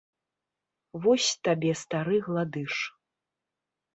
Вось табе стары гладыш!